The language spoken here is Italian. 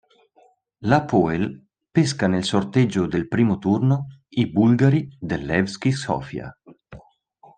L'Hapoel pesca nel sorteggio del primo turno i bulgari del Levski Sofia.